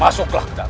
masuklah ke dalam